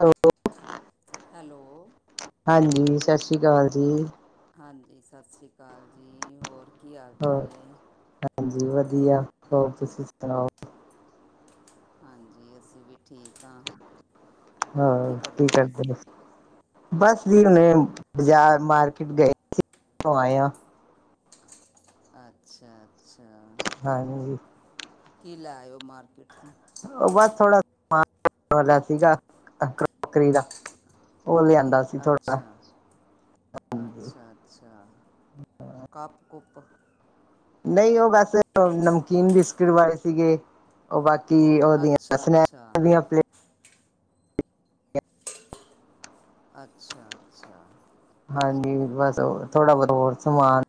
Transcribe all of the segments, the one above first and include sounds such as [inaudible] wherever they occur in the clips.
Hello hello ਹਾਂਜੀ ਸਤਿ ਸ੍ਰੀ ਅਕਾਲ ਜੀ ਹਾਂਜੀ ਸਤਿ ਸ਼੍ਰੀ ਅਕਾਲ ਜੀ ਹੋਰ ਕੀ ਹਾਲ ਹੋਰ ਚਾਲ ਏ ਹਾਂਜੀ ਵਧੀਆ ਹੋਰ ਤੁਸੀਂ ਸੁਣਾਓ ਹਾਂਜੀ ਅਸੀਂ ਵੀ ਠੀਕ ਹਾਂ ਹੋਰ ਕੀ ਹਾਂ ਕਰਦੇ ਠੀਕ ਹੈ ਪਏ ਸੀ ਬਸ ਜੀ ਹੁਣੇ ਬਾਜ਼ਾਰ ਮਾਰਕੀਟ ਗਏ ਸੀ, ਉਥੋਂ ਆਏ ਆਂ ਅੱਛਾ ਅੱਛਾ ਹਾਂ ਨਹੀਂ ਜੀ ਕੀ ਲੈ ਆਇਓ ਮਾਰਕੀਟ ਤੋਂ ਉਹ ਬਸ ਥੋੜਾ ਸਮਾਨ ਵਾਲਾ ਸੀਗਾ ਕਰੋਕਰੀ ਦਾ ਉਹ ਲਿਆਂਦਾ ਸੀ ਥੋੜਾ ਅੱਛਾ ਅੱਛਾ ਅੱਛਾ ਕੱਪ ਕੂੱਪ ਨਹੀਂ ਉਹ ਬਸ ਨਮਕੀਨ ਬਿਸਕਿਟ ਵਾ ਏ ਸੀਗੇ ਉਹ ਬਾਕੀ ਉਹਦੀਆਂ ਅੱਛਾ ਅੱਛਾ ਸਨੈਕਸ ਦੀਆਂ ਪਲੇ ਅੱਛਾ ਅੱਛਾ ਹਾਂਜੀ ਬਸ ਹਮ ਥੋੜ੍ਹਾ ਬਹੁਤ ਹੋਰ ਸਮਾਨ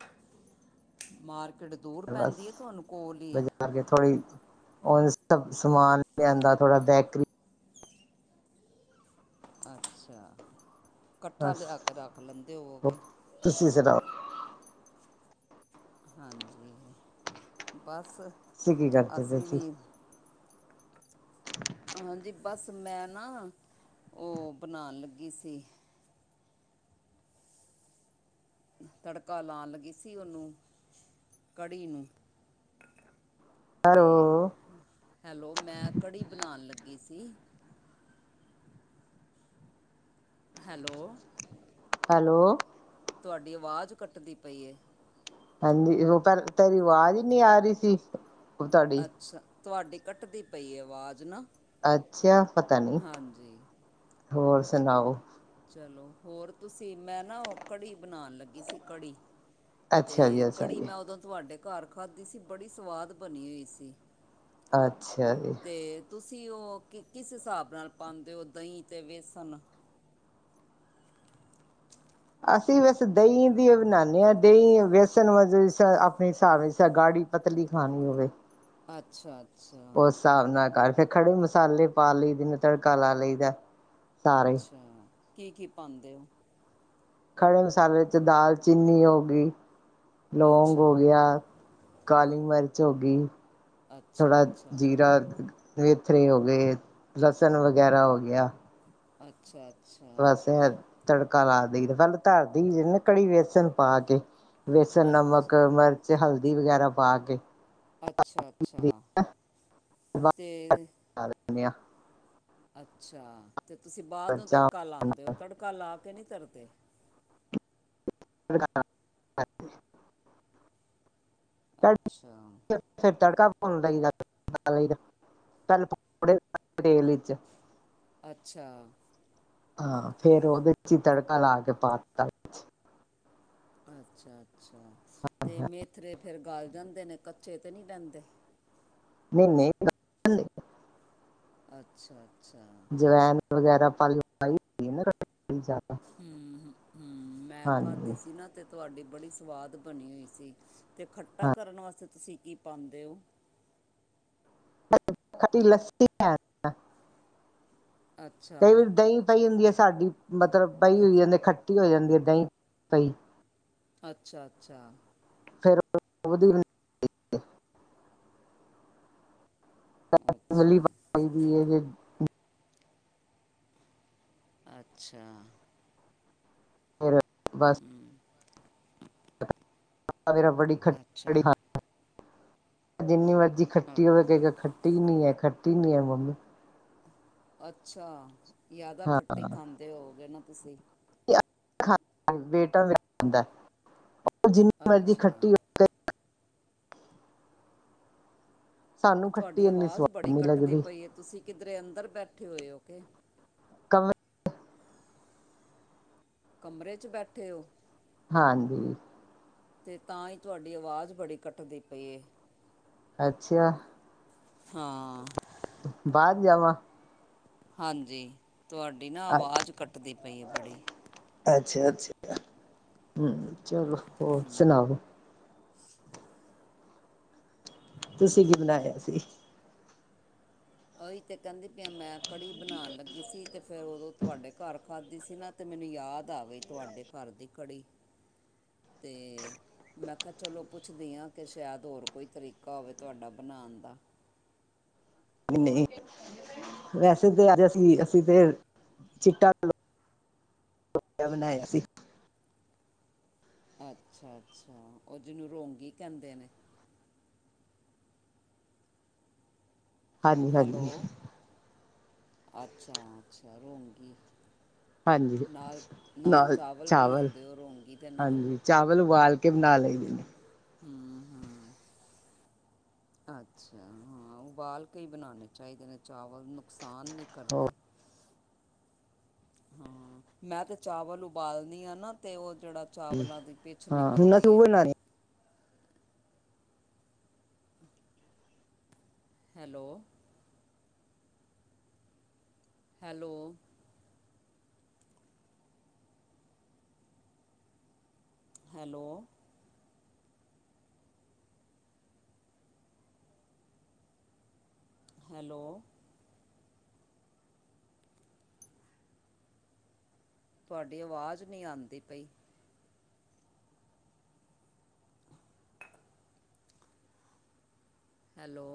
ਮਾਰਕੀਟ ਦੂਰ ਪੈਂਦੀ ਹੈ ਤੁਹਾਨੂੰ ਕੋਲ ਈ ਐ ਅਗੇ ਥੋੜ੍ਹੀ ਉਹ ਇਸ ਦਾ ਸਮਾਨ ਲਿਆਂਦਾ ਥੋੜਾ ਬੈਕਰੀ ਅੱਛਾ ਇਕੱਠਾ ਬਸ ਲਿਆ ਕੇ ਰੱਖ ਲੈਂਦੇ ਹੋਵੋਗੇ ਤੁਸੀਂ ਸੁਣਾਓ ਹਾਂਜੀ ਬਸ ਤੁਸੀ ਕੀ ਕਰਦੇ ਪਏ ਅਸੀਂ ਸੀ ਵੀ ਹਾਂਜੀ ਬਸ ਮੈਂ ਨਾ ਉਹ ਬਣਾਉਣ ਲੱਗੀ ਸੀ ਤੜਕਾ ਲਾਉਣ ਲੱਗੀ ਸੀ ਉਹਨੂੰ ਕੜੀ ਨੂੰ ਤੇ ਹੈਲੋ ਹੈਲੋ ਮੈਂ ਕੜੀ ਬਣਾਉਣ ਲੱਗੀ ਸੀ ਹੈਲੋ ਹੈਲੋ ਤੁਹਾਡੀ ਆਵਾਜ਼ ਕੱਟਦੀ ਪਈ ਏ ਹਾਂਜੀ ਉਹ ਤੇਰੀ ਆਵਾਜ਼ ਹੀ ਨਹੀਂ ਆ ਰਹੀ ਸੀ ਤੁਹਾਡੀ ਅੱਛਾ ਤੁਹਾਡੀ ਕੱਟਦੀ ਪਈ ਆਵਾਜ਼ ਨਾ ਅੱਛਾ ਪਤਾ ਨੀ ਹਾਂਜੀ ਹੋਰ ਸੁਣਾਓ ਚਲੋ ਹੋਰ ਤੁਸੀਂ ਮੈਂ ਨਾ ਉਹ ਕੜੀ ਬਣਾਉਣ ਲੱਗੀ ਸੀ ਕੜੀ ਅੱਛਾ ਜੀ ਤੇ ਅੱਛਾ ਕੜੀ ਜੀ ਮੈਂ ਉਦੋਂ ਤੁਹਾਡੇ ਘਰ ਖਾਧੀ ਸੀ ਬੜੀ ਸਵਾਦ ਬਣੀ ਹੋਈ ਸੀ ਅੱਛਾ ਜੀ ਤੇ ਤੁਸੀਂ ਉਹ ਕਿਸ ਹਿਸਾਬ ਨਾਲ ਪਾਉਂਦੇ ਓ ਦਹੀਂ ਤੇ ਵੇਸਣ ਅਸੀਂ, ਵੇਸੇ ਦਹੀਂ ਦੀਓ ਬਨਾਂਦੇ ਹਾਂ। ਦਹੀਂ, ਵੇਸਣ ਵ ਆਪਣੇ ਹਿਸਾਬ ਇਚ ਗਾੜੀ ਪਤਲੀ ਖਾਣੀ ਹੋਵੇ। ਅੱਛਾ। ਅੱਛਾ ਉਸ ਹਿਸਾਬ ਨਾਲ ਕਰ, ਫਿਰ ਖੜੇ ਮਸਾਲੇ ਪਾ ਲਈ ਦਿਏ, ਤੜਕਾ ਲਾ ਲਈ ਦਾ। ਅੱਛਾ, ਕੀ- ਕੀ ਪਾਉਂਦੇ ਓ? ਖੜੇ ਮਸਾਲੇ 'ਚ ਦਾਲਚੀਨੀ ਹੋ ਗਈ। ਲੌਗ ਹੋ ਅੱਛਾ ਗਿਆ, ਕਾਲੀ ਮਿਰਚ ਹੋ ਗਈ। ਅੱਛਾ ਥੋੜਾ ਅੱਛਾ ਜੀਰਾ ਵੇਥਰੇ ਹੋ ਗਏ, ਲਸਣ ਵਗੈਰਾ ਹੋ ਗਿਆ। ਅੱਛਾ, ਅੱਛਾ। ਬਸ, ਤੜਕਾ ਲਾ ਦਈਦਾ, ਪਹਿਲੇ ਧਰ ਦਈ ਦਾ ਨਾ ਕੜੀ, ਬੇਸਣ ਪਾ ਕੇ। ਬੇਸਣ, ਅੱਛ ਨਮਕ, ਮਿਰਚ, ਹਲਦੀ, ਵਗੈਰਾ ਪਾ ਕੇ। ਅੱਛਾ ਅੱਛਾ ਤੇ ਆ [unintelligible] ਅੱਛਾ, ਤੇ ਤੁਸੀਂ ਬਾਅਦ ਨੂੰ ਮਿਰਚਾਂ ਤੜਕਾ ਲਾਉਂਦੇ ਓ। ਤੜਕਾ ਲਾ ਕੇ ਨਹੀਂ ਧਰਦੇ। ਅੱਛਾ [unintelligible] ਫਿਰ ਤੜਕਾ ਭੁਣ ਲਈ ਦਾ, [unintelligible] ਵਿੱਚ। ਅੱਛਾ। ਹਾਂ, ਫ਼ੇਰ ਉਹਦੇ ਚ ਹੀ ਤੜਕਾ ਲਾ ਕੇ ਪਾਤਾ। ਅੱਛਾ, ਅੱਛਾ ਤੇ ਮੇਥਰੇ ਫਿਰ ਗਲ ਜਾਂਦੇ ਨੇ, ਕੱਚੇ ਤੇ ਨਹੀਂ ਰੈਦੇ। ਨਹੀ, ਨਹੀਂ ਨਾ ਅੱਛਾ, ਅੱਛਾ। ਜਵੈਨ, ਵਗੈਰਾ ਪ [unintelligible] ਹੂੰ ਹੂੰ ਮੈਂ ਖਾਧੀ ਹਾਂਜੀ ਸੀ ਨਾ, ਤੇ ਤੁਹਾਡੀ ਬੜੀ ਸਵਾਦ ਬਣੀ ਹੋਈ ਸੀ। ਅਤੇ ਖੱਟਾ ਕਰਨ ਵਾਸਤੇ ਤੁਸੀਂ ਕੀ ਪਾਂਦੇ ਓ? ਕ ਖੱਟੀ ਲੱਸੀ। ਹੈ ਕਈ ਅੱਛਾ ਵਾਰੀ ਦਹੀਂ ਪਈ ਹੁੰਦੀ ਹੈ ਸਾਡੀ। ਮਤਲਬ ਪਈ ਹੋਈ ਏ ਤੇ ਖੱਟੀ ਹੋ ਜਾਂਦੀ ਐ ਦਹੀਂ ਪਈ। ਅੱਛਾ, ਅੱਛਾ। ਫੇਰ [unintelligible] ਅੱਛਾ ਦੀ ਹੈ ਜੇ [unintelligible] ਅੱਛਾ। ਫਿਰ ਬਸ ਹੂੰ [unintelligible] ਬੜੀ ਖੱਟੀ ਅੱਛਾ ਕੜੀ ਖਾਂਦਾ ਜਿੰਨੀ ਮਰਜ਼ੀ ਖੱਟੀ ਹੋਵੇ ਅ- ਕਿਹ ਗਾ ਖ [unintelligible] ਐ, ਖੱਟੀ ਨਈ ਐ, ਮੰਮੀ। ਅੱਛਾ, ਜ਼ਿਆਦਾ ਹਾਂ ਖੱਟੀ ਖਾਂਦੇ ਹੋਗੇ ਨਾ ਤੁਸੀਂ। ਖਾਂਦਾ ਬੇਟਾ ਮੇਰਾ ਖਾਂਦਾ ਉਹ ਜਿੰਨੀ ਮਰਜ਼ੀ ਅੱਛਾ ਖੱਟੀ ਹੋ ਸਾਨੂੰ ਤੁਹਾਡੀ ਖੱਟੀ ਇੰਨੀ ਆਵਾਜ਼ ਸਵਾਦ ਬੜੀ ਨਹੀਂ ਕੱਟਦੀ ਲੱਗਦੀ ਪਈ ਏ ਤੁਸੀਂ ਕਿੱਧਰੇ ਅੰਦਰ ਬੈਠੇ ਹੋਏ ਓ ਕੇ? ਕੰਮ [unintelligible] ਕਮਰੇ 'ਚ ਬੈਠੇ ਓ? ਹਾਂਜੀ। ਅਤੇ ਤਾਂ ਈ, ਤੁਹਾਡੀ ਆਵਾਜ਼ ਬੜੀ ਕੱਟਦੀ ਪਈ ਏ ਅੱਛਾ। ਹਾਂ। ਬਾਹਰ ਜਾਵਾਂ। ਹਾਂਜੀ ਤੁਹਾਡੀ ਨਾ ਆਵਾਜ਼ ਕੱਟਦੀ ਪਈ ਹੈ ਬੜੀ। ਅੱਛਾ-ਅੱਛਾ ਹਮ ਚਲੋ ਹੋਰ ਹੂੰ ਸੁਣਾਓ। ਤੁਸੀਂ ਕੀ ਬਣਾਇਆ ਸੀ। ਉਹੀ ਤੇ ਕਹਿੰਦੀ ਪਈਐ ਮੈਂ ਕੜੀ ਬਣਾਉਣ ਲੱਗੀ ਸੀ। ਤੇ ਫੇਿਰ ਉਦੋਂ ਤੁਹਾਡੇ ਘਰ ਖਾਧੀ ਸੀ ਨਾ। ਤੇ ਮੈਨੂੰ ਯਾਦ ਆ ਗਈ ਤੁਹਾਡੇ ਘਰ ਦੀ ਕੜੀ। ਹ [inaudible] ਅਤੇ ਮੈਂ ਕਿਹਾ ਚਲੋ ਪੁੱਛਦੀ ਹਾਂ ਕਿ ਸ਼ਾਇਦ ਹੋਰ ਕੋਈ ਤਰੀਕਾ ਹੋਵੇ ਤੁਹਾਡਾ ਬਣਾਉਣ ਦਾ ਨਹੀਂ ਵੈਸੇ ਤੇ ਅੱਜ ਅਸੀਂ-ਅਸੀਂ ਤੇ ਚਿੱਟਾ [unintelligible] ਅੱਛਾ-ਅੱਛਾ ਉਹ ਜਿਹਨੂੰ ਰੋਂਗੀ ਕਹਿੰਦੇ ਨੇ ਹਾਂਜੀ ਹਾਂਜੀ ਹੈਲੋ ਅੱਛਾ-ਅੱਛਾ ਰੋਂਗੀ। ਹਾਂਜੀ ਨਾਲ-ਨਾਲ ਚਾਵਲ ਬਣਾਉਂਦੇ ਹੋ ਰੋਂਂਗੀ ਦੇ ਨਾਲ। ਹਾਂਜੀ ਚਾਵਲ ਉਬਾਲ ਕੇ ਬਣਾ ਲੈਂਦੇ ਨੇ। ਹਮ-ਹਮ ਅੱਛਾ ਹਾਂ ਉਬਾਲ ਕੇ ਹੀ ਬਣਾਉਣੇ ਚਾਹੀਦੇ ਨੇ ਚਾਵਲ ਨੁਕਸਾਨ ਨਹੀਂ ਕਰਦੇ। ਹਾਂ ਮੈਂ ਤੇ' ਚਾਵਲ ਉਬਾਲਣੀ ਆ ਨਾ ਤੇ ਉਹ ਜਿਹੜਾ ਚਾਵਲਾਂ ਦੀ ਪਿੱਛ ਹਾਂ ਹੁਣ ਨਿਕਲਦੀ ਅਸੀਂ ਏ। ਉਹ ਬਣਾ ਹੈਲੋ। ਹੈਲੋ। ਹੈਲੋ। ਹੈਲੋ। ਤੁਹਾਡੀ ਆਵਾਜ਼ ਨਹੀਂ ਆਉਂਦੀ ਪਈ। [unintelligible] ਹੈਲੋ।